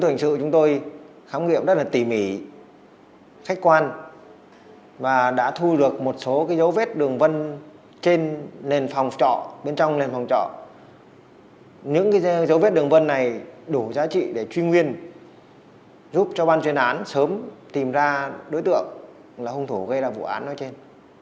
những dấu vết đường vân trên nền phòng trọ bên trong nền phòng trọ những dấu vết đường vân này đủ giá trị để chuyên nguyên giúp cho ban chuyên án sớm tìm ra đối tượng là hung thủ gây ra vụ án nói trên